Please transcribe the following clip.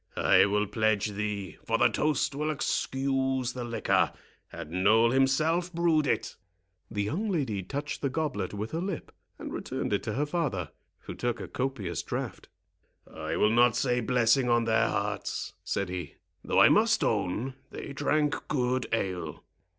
I will pledge thee; for the toast will excuse the liquor, had Noll himself brewed it." The young lady touched the goblet with her lip, and returned it to her father, who took a copious draught. "I will not say blessing on their hearts," said he; "though I must own they drank good ale."